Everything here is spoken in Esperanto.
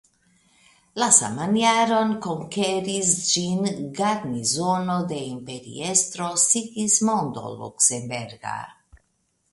La saman jaron konkeris ĝin garnizono de imperiestro Sigismondo Luksemburga.